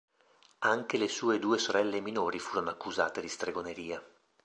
Anche le sue due sorelle minori furono accusate di stregoneria.